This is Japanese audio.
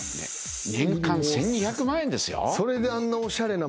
年間１，２００万円ですよ。